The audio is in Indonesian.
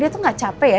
dia tuh gak capek ya